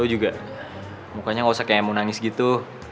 lo juga mukanya ga usah kayak mau nangis gitu